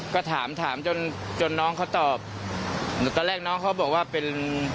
ก็ถามถามจนจนน้องเขาตอบตอนแรกน้องเขาบอกว่าเป็น